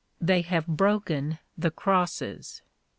They have broken the crosses!